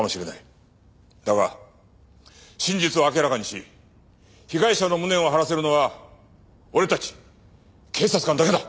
だが真実を明らかにし被害者の無念を晴らせるのは俺たち警察官だけだ。